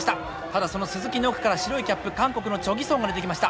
ただその鈴木の奥から白いキャップ韓国のチョ・ギソンが出てきました。